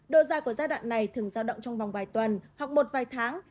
đồ dài của giai đoạn này thường giao động trong vòng vài tuần hoặc một vài tháng